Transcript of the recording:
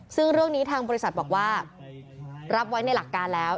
ซึ่งเรื่องนี้ทางบริษัทบอกว่ารับไว้ในหลักการแล้ว